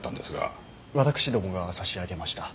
私どもが差し上げました。